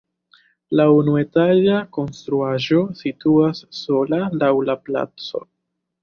La unuetaĝa konstruaĵo situas sola laŭ la placo.